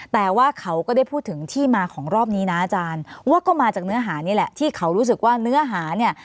แต่ว่าเขาก็ได้พูดถึงที่มาของรอบนี้นะอาจารย์ว่าก็มาจากเนื้อหานี่แหละที่เขารู้สึกว่าเนื้อหาเนี่ย